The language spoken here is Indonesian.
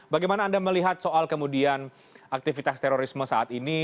bagaimana anda melihat soal kemudian aktivitas terorisme saat ini